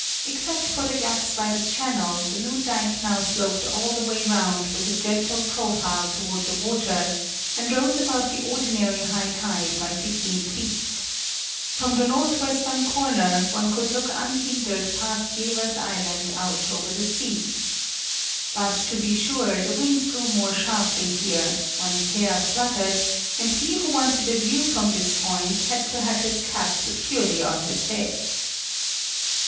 Except for the gaps by the channel, the new dike now sloped all the way round with a gentle profile toward the water and rose above the ordinary high tide by fifteen feet. From the northwestern corner one, could look unhindered past Jevers Island out over the sea. But, to be sure, the winds blew more sharply here; one's hair fluttered, and he who wanted a view from this point had to have his cap securely on his head.